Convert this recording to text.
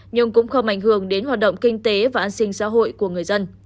nhưng cũng không ảnh hưởng đến hoạt động kinh tế và an sinh xã hội của người dân